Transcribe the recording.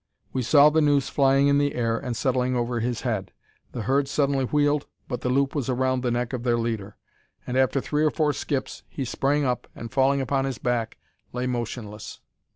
We saw the noose flying in the air and settling over his head. The herd suddenly wheeled, but the loop was around the neck of their leader; and after three or four skips, he sprang up, and falling upon his back, lay motionless.